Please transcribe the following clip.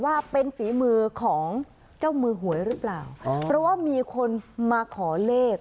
ว่าเป็นฝีมือของเจ้ามือหวยหรือเปล่าเพราะว่ามีคนมาขอเลข